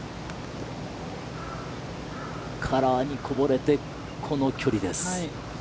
カラーにこぼれて、この距離です。